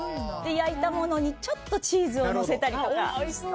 焼いたものにちょっとチーズをのせたりとか。